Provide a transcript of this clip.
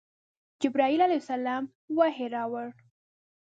جبرائیل علیه السلام وحی راوړ.